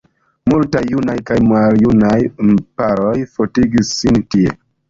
Multaj junaj kaj maljunaj paroj fotigis sin tie.